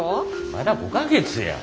まだ５か月や。